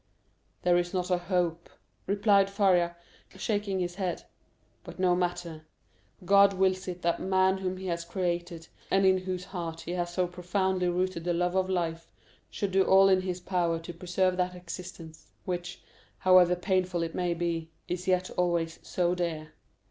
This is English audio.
"There is not a hope," replied Faria, shaking his head, "but no matter; God wills it that man whom he has created, and in whose heart he has so profoundly rooted the love of life, should do all in his power to preserve that existence, which, however painful it may be, is yet always so dear."